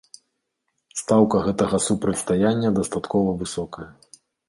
Стаўка гэтага супрацьстаяння дастаткова высокая.